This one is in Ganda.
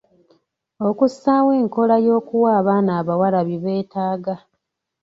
Okussaawo enkola y'okuwa abaana abawala byebeetaga.